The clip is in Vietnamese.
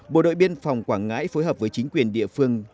bộ đội biên phòng quảng ngãi phối hợp với chính quyền địa phương